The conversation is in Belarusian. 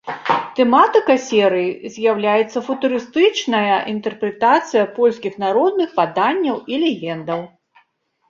Тэматыка серый з'яўляецца футурыстычная інтэрпрэтацыя польскіх народных паданняў і легендаў.